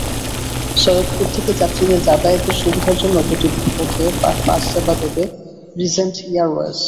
সৈয়দপুর থেকে যাত্রীদের যাতায়াতের সুবিধার জন্য দুটি পথে বাসসেবা দেবে রিজেন্ট এয়ারওয়েজ।